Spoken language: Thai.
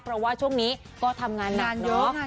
เพราะว่าช่วงนี้ก็ทำงานหนักเนาะ